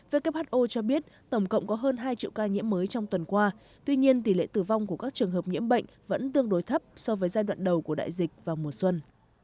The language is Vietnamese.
who cho biết tổng cộng có hơn hai triệu ca nhiễm mới trong tuần qua tuy nhiên tỷ lệ tử vong của các trường hợp nhiễm bệnh vẫn tương đối thấp so với giai đoạn đầu của đại dịch vào mùa xuân